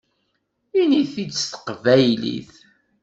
Init-t-id s teqbaylit!